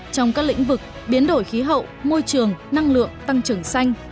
trong các lĩnh vực biến đổi khí hậu môi trường năng lượng tăng trưởng xanh